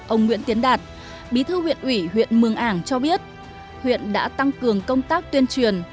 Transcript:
ông nguyễn tiến đạt bí thư huyện ủy huyện mường ảng cho biết huyện đã tăng cường công tác tuyên truyền